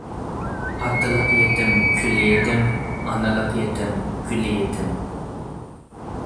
ئاتىلىق يېتىم كۈل يېتىم، ئانىلىق يېتىم گۈل يېتىم.